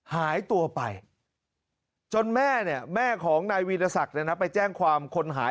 หายตัวไปจนแม่เนี่ยแม่ของนายวีรศักดิ์ไปแจ้งความคนหาย